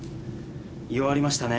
弱りましたね。